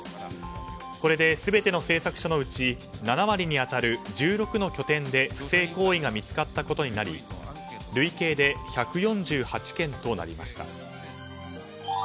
これで、全ての製作所のうち７割に当たる１６の拠点で不正行為が見つかったことになり累計で１４８件となりました。